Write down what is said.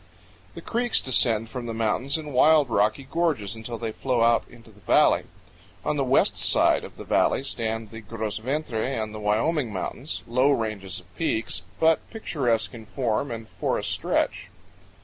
The creeks descend from the mountains in wild rocky gorges, until they flow out into the valley. On the west side of the valley stand the Gros Ventre and the Wyoming mountains, low ranges of peaks, but picturesque in form and forest stretch.